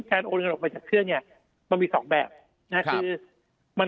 โอนเงินออกไปจากเครื่องเนี่ยมันมีสองแบบนะคือมัน